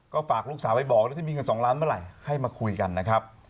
ก็ฝากลูกสาวไปบอกแล้วถ้ามีเงิน๒ล้านเมื่อไหร่ให้มาคุยกันนะครับ